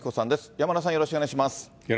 山村さん、よろしくお願いします。